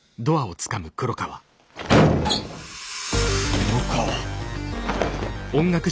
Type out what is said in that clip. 黒川。